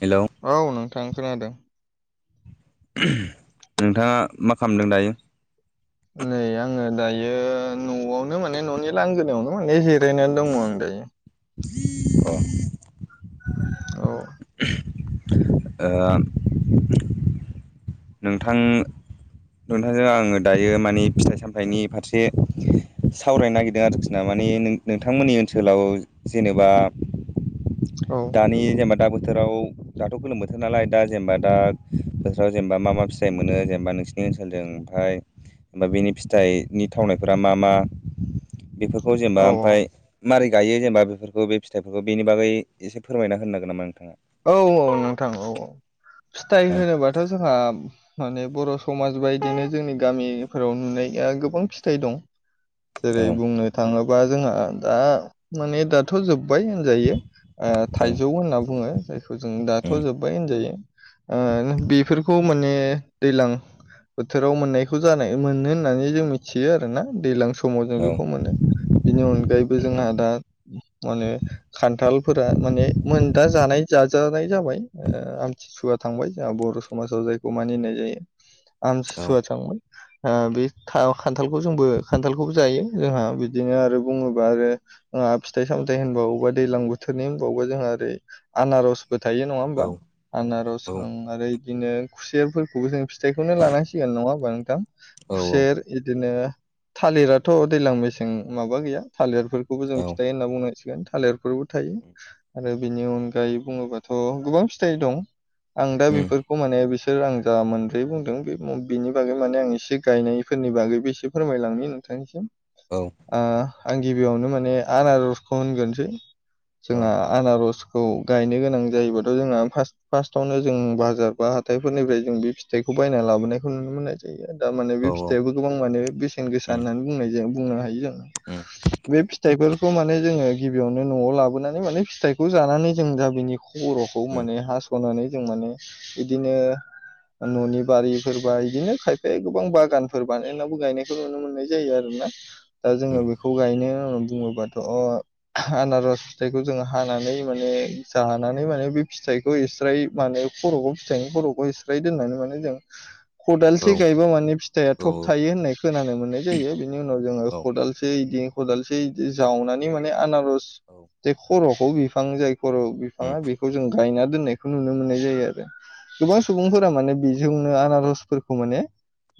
Hello औ नोंथां खोनादों। ओम नोंथाङा मा खालामदों दायो। नै आङो दायो न'आवनो माने न'नि लांगोनायावनो माने जे रायनानै दङ आं दायो। [unintelligible] औ। ओ। नोंथां। नोंथांजों आङो दायो माने फिथाइ सामथाइनि फारसे। सावरायनो नागिरदों आरोखि ना माने नों नोंथांमोननि ओनसोलाव जेनेबा। औ दानि जेनेबा दाबो। बोथोराव दाथ' गोलोम बोथोर नालाय दा जेनेबा दा बोथोराव जेनेबा मा मा फिथाइ मोनो जेनेबा नोंसि नि ओनसोलजों ओमफाय ओमफाय बेनि फिथाइनि थावनायफोरा मा मा। बेफोरखौ औ जेनेबा ओमफाय। मारै गायो जेनेबा बेफोरखौ बे फिथाइफोरखौ बेनि बागै एसे फोरमायना होनोनांगोन नामा नोंथाङा। औ औ नोंथां औ औ फिथाइ होनोबाथ' जोंहा माने बर'सु समाज बायदिनो जोंनि गामिफोराव नुनाया गोबां फिथाइ दं। हागोन नामा नोंथाङा जेरै औ बुंनो थाङोबा जोंहा दा माने दाथ' जोब बाय होनजायो ओ औ थाइजौ होनना बुङो जायखौ जों दाथ' जोबबाय होनजायो। ओ बेफोरखौ माने दैलां बोथोराव मोननायखौ जानाय मोनो होननानै जोंङो मिथियो आरोना दैलां सम समाव जों औ बेखौ मोनो बिनि अनगायैबो जोंहा दा। माने खान्थालफोरा माने मोनदा जानाय जाजानाय जाबाय ओ आमथिसुवा। थांबाय जोंहा बर' समाजाव जायखौ मानिनाय जायो औ आमसुसुवा थांबाय। ओ बे थाव खान्थालखौ जोंबो खान्थालखौबो जायो। जोंहा बिदिनो आरो बुङोबा आरो जोंहा फिथाइ सामथायाइ होनबावबा दैज्लां बोथोरनि होनबावबा जोंहा ओरै आनारसबो थायो नङा होमबा औ आनारस औ ओ बिदिनो खुसेरफोरखौबो जों फिथाइखौनो लानांसिगोन नङा होमबा नोंथां औ खुसेर बिदिनो थालिराथ' दैज्लां मेसें माबा गैया थालिरफोरखौबो जों औ फिथाइ होनना बुंनां गोन थालिरफोरबो थायो आरो बिनि अनगायै बुङोबाथ' गोबां फिथाइ दं। आं दा उम बेफोरखौ माने बे आं जा मोनब्रै बुंदों बिनि बागै माने आं एसे गायनायफोरनि बागैबो एसे फोरमायलांनि नों थांसिम औ ओ आं गिबियावनो माने आनारजखौ होनग्रोसै। औ जों आनारस खौ गायनो गोनां जायोबाथ' जोंहा फा फार्स्टआवनो जों बाजार बा हााइफोरनिफ्राय जों बे फिथाइखौ बायना लाबोनायखौ नुनो मोननाय जायो आरो दामाने औ बे औ फिथाइआबो गोबां माने बेसेन गोसा उम होननानै बुंनाय जायो बुंनो हायो जों उम बे फिथाइफोरखौ माने जोङो गिबियावनो न'आव लाबोनानै माने फिथाइखौ। जानानै जों दा बिनि खर'खौ उम माने हास'नानै जों माने बिदिनो न'नि बारिफोरबा बिदिनो खायफा गोबां बागानफोर बानायनायावबो गायनायखौ नुनो मोननाय जायो आरो [unintelligible] दा जोङो उम बेखौ गायनो होन बुङोबाथ' अ आनारस फिथायखौ जोङो हानानै माने जानानै माने बे फिथाइखौ एस्रायै माने खर'खौ फिथाइनि खर'खौ एस्रायै दोननानै माने जों औ खदालसे गायबा माने फिथाइया औ थब थायो होननाय खोनानो मोननाय जायो बिनि उनाव जोङो औ खदालसे बिदि खदालसे जावनानै माने आनारस औ जे खर'खौ बिफां जाय बर' बिफाङा उम बेखौ जों गायना दोननायखौ नुनो मोननाय जायो आरो गोबां सुबुंफोरा माने बेजोंनो आनारसफोरखौ माने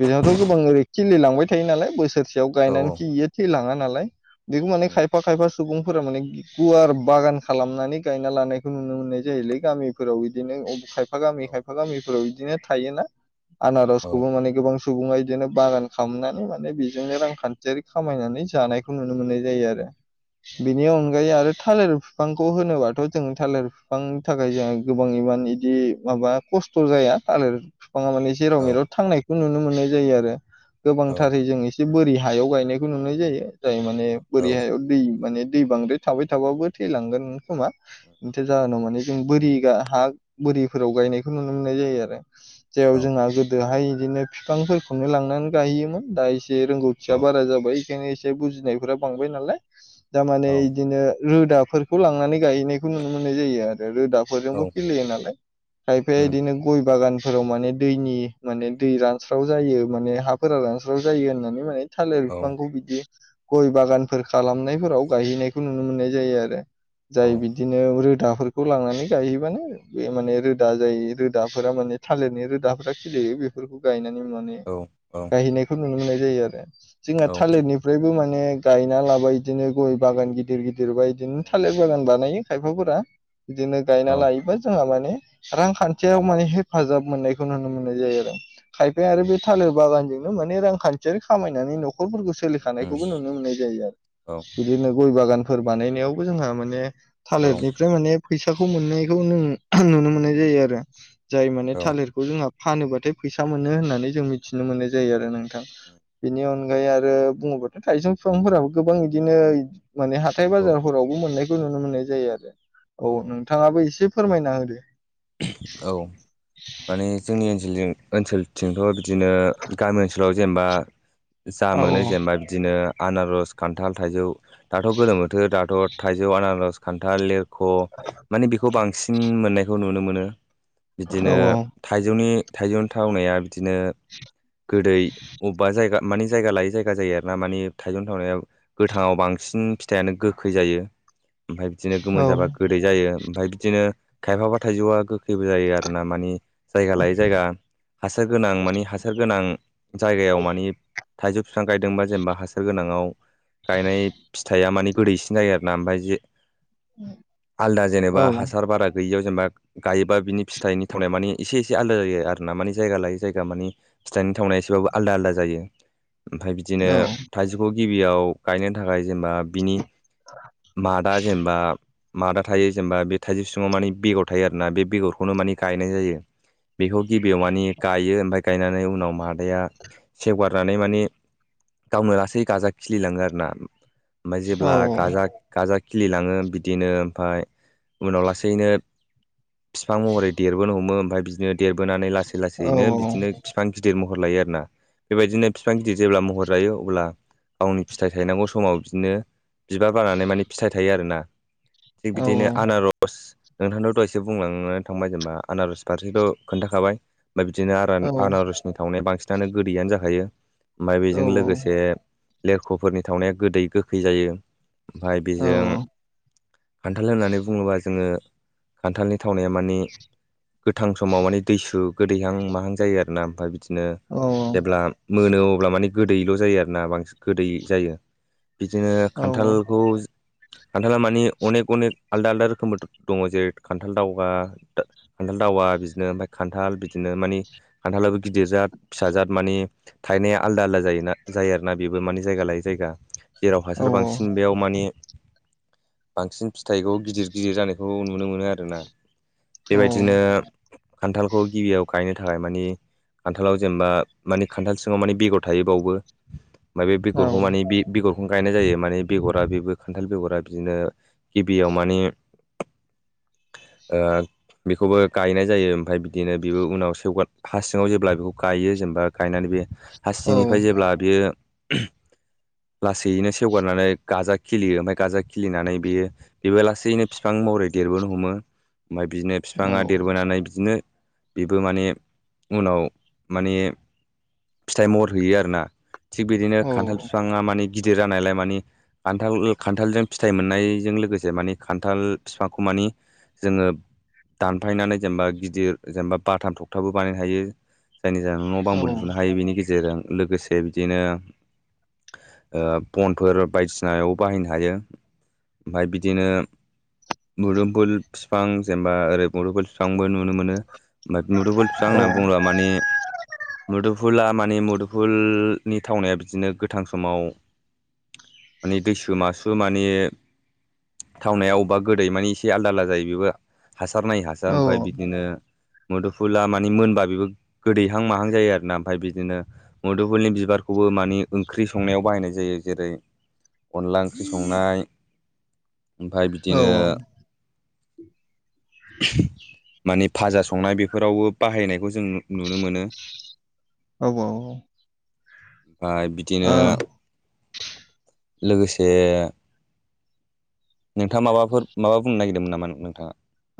बेहाथ' गोबां ओरै खिलि लांबाय थायो नालाय बोसोरसे फयाव औ गायनानै खि इयो थैलाङा नालाय बेखौ माने उम खायफा खायफा सुबुंफोरा माने गुवार बागान खालामनानै गायना लानायखौ नुनो मोननाय जायोलै गामिफोराव बिदिनो खायफा औ गामि खायफा गामिफोराव बिदिनो थायोना औ उम औ उम औ आनारसखौबो माने गोबां सुबुङा बिदिनो बागान खालामनानै माने बेजोंनो रांखान्थियारि खामायनानै जानायखौ नुनो मोननाय जायो आरो बिनि अनगायै आरो थालिर बिफांखौ होनोबाथ' जों थालिर बिफांनि थाखाय जोंहा गोबां इमान इदि माबा खस्थ' जाया थालिर बिफांआ माने औ जेराव औ मेराव थांनायखौ नुनो मोननाय जायो आरो गोबांथारै जों एसे बोरि हा हायाव गायनायखौ नुनाय जायो जाय माने बोरि हायाव दै माने दै बांद्राय थाबाय थाबाबो थैलांगोन खोमा बेथ' जाहोनाव माने जों बोरि हा बोरिफोराव गायनायखौ नुनो मोननाय जायो आरो जेराव जोंहा गोदोहाय बिदिनो बिफांफोरखौनो लांनानै गाययोमोन दा इस ए रोंगौथिया बारा जाबाय बेखायनो एसे बुजिनायफोरा बांबाय नालाय दामाने इदिनो रोदाफोरखौ लांनानै गायनायखौ नुनो मोननाय जायो आरो रोदाफोरजोंबो गिलियो नालाय खायफाया इदिनो गय बागान फोराव माने दैनि माने दै रानस्राव जायो माने हाफोरा रानस्राव जायो होननानै माने थालिर बिफांखौ बिदि गय बागानफोर खालामनायफोराव गायहैनायखौ नुनो मोननाय जायो आरो जाय बिदिनो रोदा फोरखौ लांनानै गायहैबानो बे माने रोदा जायो रोदाफोरा माने थालिरनि रोदाफोरा खिलियो बेफोरखौ गायनानै माने गायहैनायखौ नुनो मोननाय जायो आरो जोंहा थालिरनिफ्रायबो मान बिदिनो गायना लाबाय इदिनो गय बागान गिदिर गिदिर बा इदिनो थालिर बागान बानायो खायफाफोरा बिदिनो गायना लायोबा जोंहा माने रांखान्थियाव माने हेफाजाब मोननायखौ नुनो मोननाय जायो आरो खायफाया आरो बे थालिर बागानजोंनो माने रांखान्थियारि खामायनानै न'ख न'खरफोरखौ सोलिखानायखौबो नुनो मोननाय जायो आरो बिदिनो गय बागानफोर बानायनायावबो जोंहा माने थालिरनिफ्राय माने फैसाखौ मोननायखौ नों आं नुनो मोननाय जायो आरो जाय माने थालिरखौ जोंहा। फानोबाथाय फैसा मोनो होननानै जों मिथिनो मोननाय जायो आरो नोंथां बेनि अनगायै आरो बुङो थाइजौ बिफांफोराबो गोबां इदिनो। माने हाथाय बाजारफोरावबो मोननायखौ नुनो मोननाय जायो आरो औ नोंथाङाबो इसेब फोरमायना होदो। औ माने जोंनि ओनसोलजों ओनसोलथिंथ' बि बिदिनो गामि ओनसोलाव जेनेबा जा औ मोनो जेनेबा बिदिनो। आनारस खान्थाल थाइजौ दाथ' गोलोमोथोर दाथ' थाइजौ आनारस खान्थाल लेर ख' माने बेखौ बांसिन मोननायखौ नुनो मोनो औ बिदिनो थाइजौनि। थाइजौनि थावनाया बिदिनो गोदै अबेबा जायगा। माने जायगा लायै जायगा जायो आरोना मानि थाइजौनि थावनायाव गोथाङाव बांसिन फिथाइयानो गोखै जायो। ओमफाय बिदिनो औ गोमोन जाबा गोदै जायो ओमफाय बिदिनो। खायफाबा थाइजौआ गोखैबो जायो आरो ना मानि। जायगा लायै जायगा हासार गोनां मानि हासार गोनां जायगायाव मानि थाइजौ बिफां गायदोंबा जेनेबा हासार गोनाङाव गायनाय फिथाइया माने गोदैसिन जायो आरोना ओमफाय जे आलदा औ जेनेबा हासार बारा। गैयियाव जेनेबा गायोबा बिनि फिथाइनि थावनाया माने इसे इसे आलादा जायो आरोना माने जायगा लायै जायगा माने फिथाइनि थावनाया एसेबाबो आलदा आलादा जायो। ओमफाय बिदिनो थाइजौखौ गिबियाव गायनो थाखाय जेनेबा बिनि। मादा जेनेबा मादा थायो जेनेबा बे थाइजौस। सिङाव माने बेगर थायो आरोना बे बेगरखौनो माने गायनाय जायो। बेखौ गिबियाव माने गायो ओमफाय गायनानै उनाव मादाया सेवगारनानै माने गावनो लासै गाजा खिलिलाङो आरोना। ओमफाय औ जेब्ला गाजा गाजा खिलिलाङो बिदिनो ओमफाय उनाव लासै। दिनो फिफां महरै देरबोनो हमो ओमफाय बिदिनो देरबोनानै लासै औ लासैनो बिदिनो फिफां गिदिर म हर लायो आरोना बेबायदिनो बिफां गिदिर जेब्ला महर लायो अब्ला गावनि फिथाइ थायनांगौ समाव बिदिनो बिबार बानानै माने फिथाइ थायो आरोना। थिग औ बिदिनो आनार' नोंथांथ' दहायसो बुंलांना थांबाय जेनबा आनारस फारसेखौ खोन्थाखाबाय। फाय बिदिनो औ आरान-आनारसनि थावनाया बांसिनानो गोदैयानो जाखायो। ओमफाय बेजों लोगोसे लेरख'फोरनि थावनाया गोदै गोखै जायो। ओमफाय औ औ बेजों खान्थाल होननानै बुङोबा जोङो खान्थालनि थावनाया मानि गोथां समाव मानि दैसु। गोदैहां माहां जायो आरोना। ओमफाय बिदिनो औ जेब्ला मोनो अब्ला मानि गोदैल' जायो आरोना बांसि गोदै जायो। बिदिनो औ खान्थालखौ खान्थाला मानि अनेक अनेक आलदा आलदा रोख [unintelligible] दङ जेरै खान्थाल दावहा दा खान्थाल दावा बिदिनो ओमफाय खान्थाल बिदिनो मानि खान्थालाबो गिदिर जाद फिसाजाद मानि थायनाया आलादा आलादा जायो ना जायो आरोना बेबो मानि जायगा लाय जायगा जेराव औ हासार औ बांसिन बेयाव मानि बांसिन फिथाइखौ गिदिर गिदिर जानायखौ नुनो मोनो आरोना। औ बेबायदिनो खान्थालखौ गिबियाव गायनो थाखाय मानि खान्थालाव जेनबा मानि खान्थाल सिङाव मानि बेगर थायो बावबो। ओमफाय बेगरखौ औ मानि बे बेगर खौनो गायनाय जायो माने बेगरा बेबो खान्थाल बेगरा बिदिनो गिबियाव मानि ओ बेखौबो गायनाय जायो। ओमफाय बिदिनो बेबो उनाव सेवगाद हा सिङाव जेब्ला बेखौ गायो जेनेबा गायनानै बियो औ हासिंनिफाय जेब्ला बियो [unintelligible] लासैयैनो सेवगारनानै गाजा खिलियो ओमफाय गाजा खिलिनानै बेयो बेबो लासैनो बिफां महरै देरबोनो हमो। ओमफाय बिदिनो बिफाङा देरबोनानै बिदिनो बेबो माने उनाव माने फिथाइ महर हैयो आरोना। थिग बिदिनो औ खान्थाल बिफाङा मानि गिदिर जानायलाय मानि आन्थाल ओ खान्थालजों फिथाइ मोननायजों लोगोसे मानि खान्थाल बिफांखौ मानि जोङो दानफायनानै जेनबा गिदिर जेनबा बाथाम थखथाबो बानायनो हायो। जायनि जाहोनाव न' औ बांबो लुनो हायो बिनि गेजेरजों। लोगोसे बिदिनो ओ बनफोर बायदिसिनायाव बाहायनो हायो। ओमफाय बिदिनो मुदुमफुल बिफां जेनबा ओरै मुदुमफुल बिफांबो नु नुनो मोनो। ओमफाय मुुदुफुल बिफां होनना बुंब्ला माने मुुदुफुला मानि मुदुफुलनि थावनाया बिदिनो गोथां समाव मानि दैसु मासु मानि थावनाया अब्बा गोदै मानि एसे आलदा आलदा जायो बेबो हासार नायै औ हासार। ओमफाय बिदिनो मुदुफुला मानि मोनबा बेबो गोदैहां माहां जायो आरोना। ओमफाय बिदिनो मुदुफुलनि बिबारखौबो बो मानि ओंख्रि संनायाव बाहायनाय जायो। जेरै अनला ओंख्रि संनाय ओमफाय बिदिनो [unintelligible] मानि भाजा संनाय बेफोरावबो बाहायनायखौ जों नु नुनो मोनो। औ औ औ। ओ बिदिनो लोगोसे नोंथाङा माबाफोर माबा बुंनो नागिरदोंमोन नामा नोंथाङा?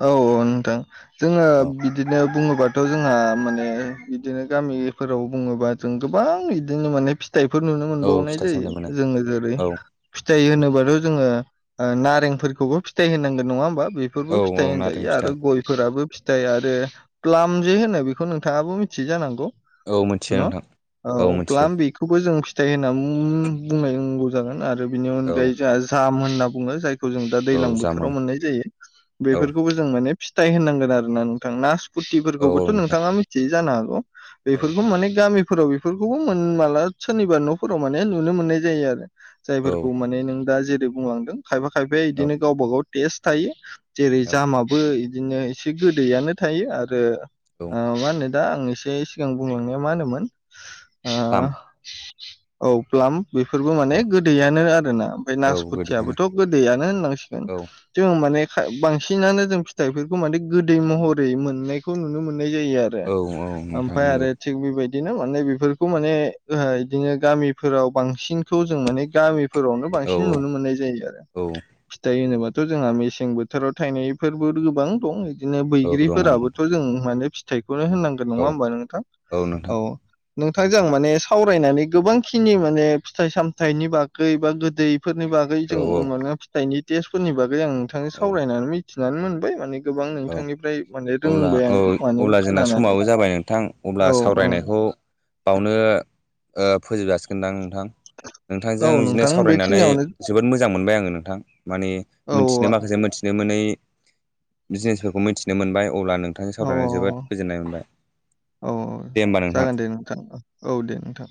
औ औ नोंथां। जोङो औ बिदिनो बुङोबाथ' जोंहा माने बिदिनो गामिफोराव बुङोबा जों गोबां इदिनो माने फि थाइफोर नुनो औ मोनबावनाय फिथाइ जायो। सामथाइ मोनो जोङो जेरै औ फिथाइ होनोबथ' जोङो ओ नारें फोरफोरखौबो फिथाइ होनांगोन नङा होमबा औ बेफोरबोथ औ फिथाइ नारें होनजायो आरो फिथाइ गयफोराबो फिथाइ आरो प्लाम जे होनो बेखौ नोंथाङाबो मिथि यो जानांगौ औ मिथियो न नोंथां औ ब्पाम बेखौबो जों फिथाइ होननानै बुं-बुंनांगौ। जोन आरो बिनि औ अनगायै जोंहा जाम होनना बुङो जायखौ जों दा औ दै्लां बोथोराव जामुन मोननाय जायो। औ बेफोरखौबो जों माने फिथाइ होनांगोन आरोना नोंथां औ औ नासपुटिफोरखौबोथ' नोंथां नोंथाङा मिथियै जानो हागोन। औ बेफोरखौ माने गामि फोराव बेफोरखौबो मोने माला सोरनिबा न'फोराव माने नुनो मोननाय जायो आरो। औ जायफोरखौ माने नों दा जेरै बुंलांदों खायफा खायफाया औ बिदिनो गावब गाव टेस्ट थायो। जेरै औ जामाबो इदिनो एसे गोदैयानो थायो आरो औ ओ मा होनो दा आं? एसे सिगां बुंलांनाया मा होनोमोन? ओ प्लाम औ प्लाम बेफोरबो माने औ गोदैयानो आरोना ओमफ्राय औ गोदैयानो नासपथियाबोथ' गोदैयानो होननांसिगोन औ जों माने बांसिनानो जों फिथाइफोरखौ माने गोदै महरै मोननायखौ नुनो मोनो। नाय जायो आरो औ औ नोंथां मफ्राय नंगौ आरो थि बेबायदि बिदिनो माने बेफोरखौ माने ओ बिदिनो गामिफोराव बांसिनखौ जों माने गामि फोरावनो औ बांसिन नुनो मोननाय जायो आरो औ फिथाइ होनोबाथ' जोंहा मेसें बो फोथोराव थायनायफोरबो गोबां दं बिदिनो औ दङ नोंथां बैग्रिफोराबोथ' जों माने फि बेखौनो होननांगोन औ नङा होमबा नोंथां औ नोंथांजों माने सावरायनानै गोबां खिनि माने फिथाइ सामथाइनि बागै बा गोदै फोरनि बागै औ जों माने फिथाइनि टेस्टफोरनि बागै आं नोंथांजों औ सावरायनानै मिथिनानै मोनबाय माने गोबां औ नोंथांनिफ्राय माने अब्ला रोंबाय औ आं मानो अब्ला जोंना खोनानानै समाबो जाबाय नोंथां अब्ला औ ओं सावरायनायखौ बावनो फोजोब जासिगोन नोंथां। नोंथां नोंथांजों औ बिदिनो नोंथां सावरायनानै बेखिनियावनो जोबोद मोजां मोनबाय आङो नोंथां। माने औ मिथिनो माखासे मिथिनो मोनै बिजनेसफोरखौ मिथिनो मोनबाय। अब्ला नोंथांजों औ सावरायना औ जोबोद गोजोननाय मोनबाय। औ औ दे होमबा जागोन दे नोंथां औ दे नोंथां।